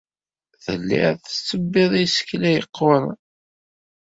Telliḍ tettebbiḍ isekla yeqquren.